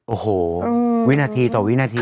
โอ้โหวินาทีต่อวินาที